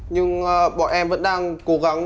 nhưng bọn em vẫn đang cố gắng